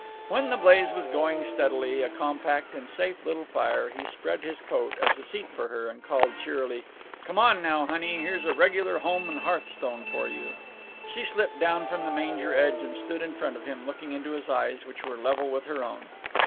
When the blaze was going steadily, a compact and safe little fire, he spread his coat as a seat for her, and called, cheerily, "Come on now, honey; here's a regular home and hearthstone for you." She slipped down from the manger edge and stood in front of him, looking into his eyes—which were level with her own.